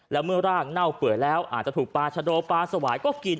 แล้วเมื่อร่างเน่าเปื่อยแล้วอาจจะถูกปลาชะโดปลาสวายก็กิน